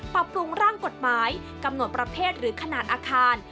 ปรับปรุงร่างกฎหมายกำหนดประเภทหรือขนาดอาคาร